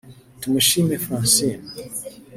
Tumushime Francine